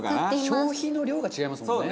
「消費の量が違いますもんね」